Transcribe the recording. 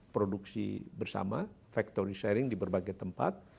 produksi bersama factory sharing di berbagai tempat